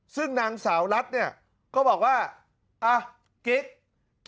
ซึ่งนางสาวรัดก็บอกว่าอ่านกิ๊ก